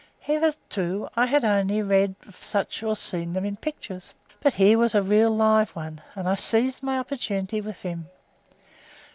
Hitherto I had only read of such or seen them in pictures, but here was a real live one, and I seized my opportunity with vim.